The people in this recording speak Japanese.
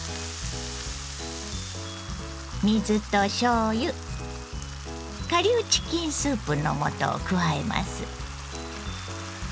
水としょうゆ顆粒チキンスープの素を加えます。